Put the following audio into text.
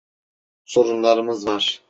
Sorunlarımız var.